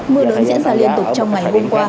mưa lớn diễn ra liên tục trong ngày hôm qua